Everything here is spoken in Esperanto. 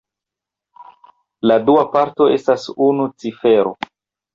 La dua parto estas unu cifero.